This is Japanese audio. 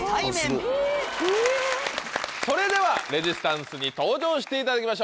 それではレジスタンスに登場していただきましょう。